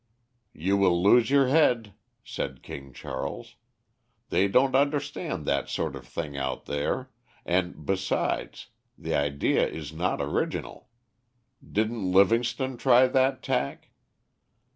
"You will lose your head," said King Charles; "they don't understand that sort of thing out there, and, besides, the idea is not original. Didn't Livingstone try that tack?"